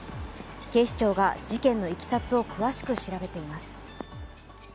警視庁が事件のいきさつを詳しく調べています。